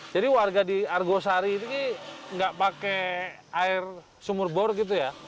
jadi warga di argosari itu nggak pakai air sumur bor gitu ya